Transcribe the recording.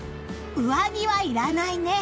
上着はいらないね！